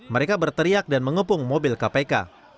mereka berteriak dan mengepung mobil kpk